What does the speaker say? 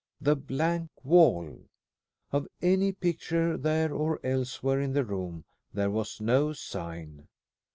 The blank wall! Of any picture, there or elsewhere in the room, there was no sign.